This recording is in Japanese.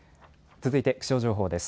続いて気象情報です。